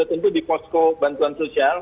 pertama sudah tentu di posko bantuan sosial